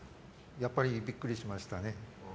やっぱりビックリしましたね。